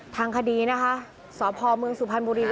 ทางคดีนะคะส่อพเมืองสูพานบุหรี